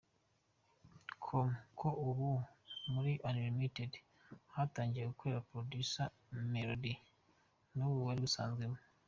com ko ubu muri Unlimited hatangiye gukorera Producer Mel Oddy n'ubundi wari usanzwemo.